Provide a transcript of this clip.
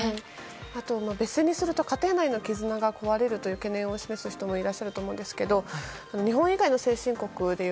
あと、別姓にすると家庭内の絆が壊れるという懸念を示す人もいると思いますが日本以外の先進国では